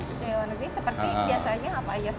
di luar negeri seperti biasanya apa aja